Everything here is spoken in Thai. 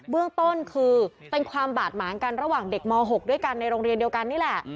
เรื่องต้นคือเป็นความบาดหมางกันระหว่างเด็กม๖ด้วยกันในโรงเรียนเดียวกันนี่แหละ